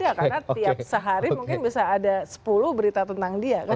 dia jelas ada karena tiap sehari mungkin bisa ada sepuluh berita tentang dia kan